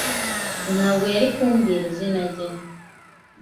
Ntabwo yari kumbwira izina rye.